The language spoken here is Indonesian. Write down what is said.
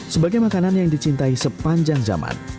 sebagai makanan yang dicintai sepanjang zaman